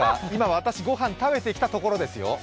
今、私、ご飯食べてきたところですよ。